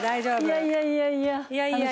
いやいやいやいや。